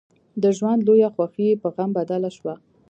د ژوند لويه خوښي يې په غم بدله شوه.